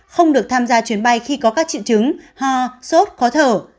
không được tham gia chuyến bay khi có các triệu chứng ho sốt khó thở